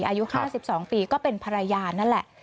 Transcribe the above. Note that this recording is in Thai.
อายุ๕๒ปีก็เป็นภรรยานั่นแหละ